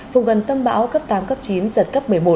vùng gần tâm bão cấp tám cấp chín giật cấp một mươi một